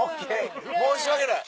申し訳ない。